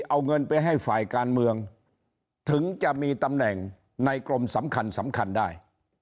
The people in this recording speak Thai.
เอาเงินไปให้ฝ่ายการเมืองถึงจะมีตำแหน่งในกรมสำคัญสำคัญได้